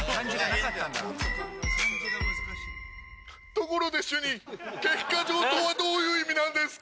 ところで主任「喧嘩上等」はどういう意味なんですか？